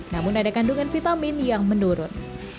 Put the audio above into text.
namun ada kandungan vitamin yang menurun